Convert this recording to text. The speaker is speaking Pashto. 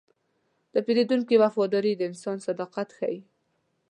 د پیرودونکي وفاداري د انسان صداقت ښيي.